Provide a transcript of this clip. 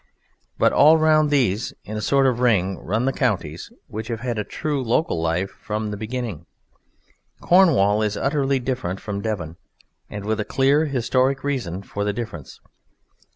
But all round these, in a sort of ring, run the counties which have had true local life from the beginning. Cornwall is utterly different from Devon, and with a clear historic reason for the difference.